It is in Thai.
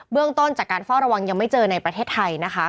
เรื่องต้นจากการเฝ้าระวังยังไม่เจอในประเทศไทยนะคะ